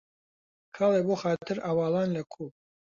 کاڵێ بۆ خاتر عەواڵان لە کۆ